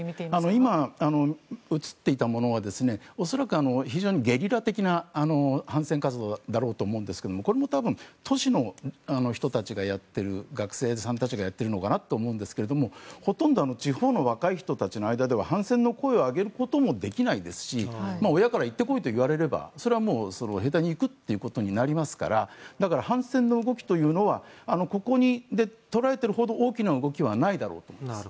今、写っていたものは恐らく非常にゲリラ的な反戦活動だろうと思うんですがこれも多分、都市の人たち学生さんたちがやっているのかなと思うんですがほとんど地方の若い人たちの間では反戦の声を上げることもできないですし親から行って来いと言われればそれは兵隊に行くということになりますからだから、反戦の動きというのはここで捉えているほど大きな動きはないだろうと思います。